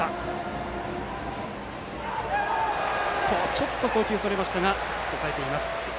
ちょっと送球がそれたが押さえています。